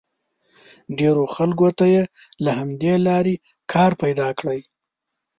ډېرو خلکو ته یې له همدې لارې کار پیدا کړی.